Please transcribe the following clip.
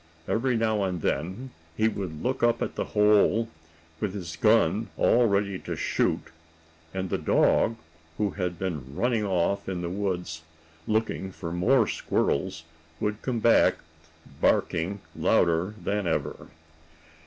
Every now and then he would look up at the hole, with his gun all ready to shoot, and the dog, who had been running off in the woods, looking for more squirrels, would come back, barking louder than ever.